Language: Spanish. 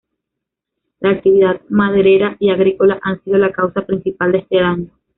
La actividad maderera y agrícola han sido la causa principal de este daño.